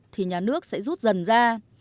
thì nhà nước sẽ rút dần ra